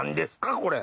これ。